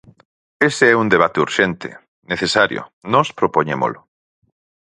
Ese é un debate urxente, necesario, nós propoñémolo.